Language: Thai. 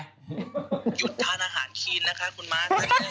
หยุดทานอาหารคีนนะคะคุณม้า